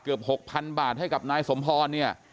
เกือบ๖๐๐๐บาทให้กับนายสมพรเนี่ย